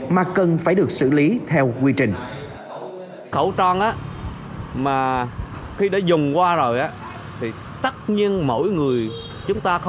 mà cần phải được xử lý theo quy trình